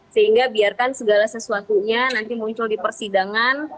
sehingga biarkan segala sesuatunya nanti muncul di persidangan